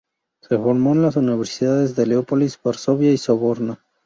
Se formó en las universidades de Leópolis, Varsovia y la Sorbona.